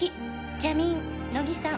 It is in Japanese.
ジャミーン乃木さん